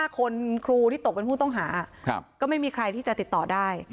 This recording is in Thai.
๕คนครูที่ตกเป็นผู้ต้องหาก็ไม่มีใครที่จะติดต่อได้